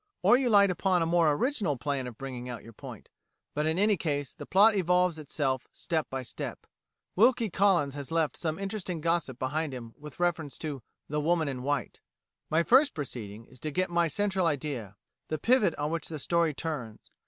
Or you light upon a more original plan of bringing out your point; but in any case, the plot evolves itself step by step. Wilkie Collins has left some interesting gossip behind him with reference to "The Woman in White": "My first proceeding is to get my central idea the pivot on which the story turns.